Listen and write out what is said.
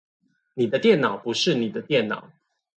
你的電腦不是你的電腦